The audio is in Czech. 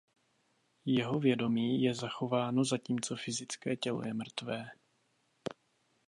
Jeho vědomí je zachováno zatímco fyzické tělo je mrtvé.